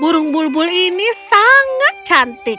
burung bulbul ini sangat cantik